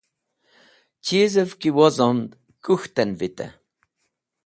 Chizev ki wozomd, kũkhten vite.